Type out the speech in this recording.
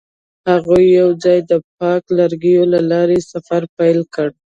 هغوی یوځای د پاک لرګی له لارې سفر پیل کړ.